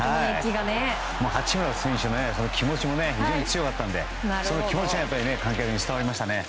八村選手の気持ちも非常に強かったのでその気持ちが観客に伝わりましたね。